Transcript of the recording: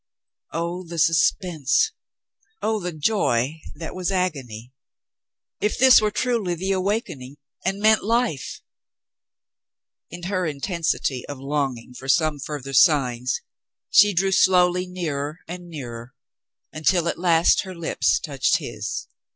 Oh, the suspense ! Oh, the joy that was agony ! If this were truly the awakening and meant life ! In her intensity of longing for some further signs she drew slowly nearer and nearer, until at last her lips touched his.